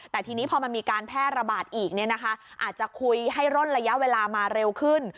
แต่ทีนี้พอมันมีการแพร่ระบาดอีกอาจจะคุยให้ร่นระยะเวลามาเร็วขึ้น